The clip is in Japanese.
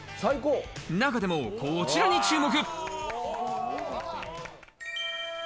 中でもこちらに注目。